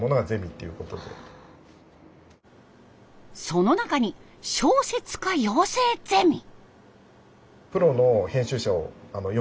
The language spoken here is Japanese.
その中に小説家養成ゼミ。